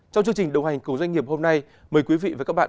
trong chương trình đồng hành cùng doanh nghiệp hôm nay mời quý vị và các bạn